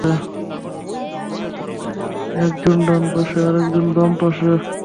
একজন ডান পাশে, আরেক জন বাম পাশে।